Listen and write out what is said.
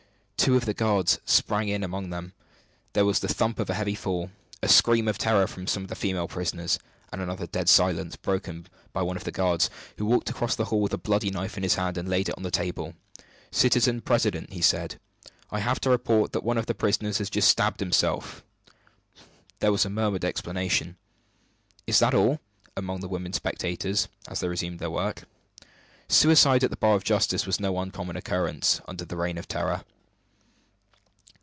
Two of the guards sprang in among them. There was the thump of a heavy fall a scream of terror from some of the female prisoners then another dead silence, broken by one of the guards, who walked across the hall with a bloody knife in his hand, and laid it on the table. "Citizen President," he said, "I have to report that one of the prisoners has just stabbed himself." There was a murmuring exclamation, "Is that all?" among the women spectators, as they resumed their work. Suicide at the bar of justice was no uncommon occurrence, under the Reign of Terror.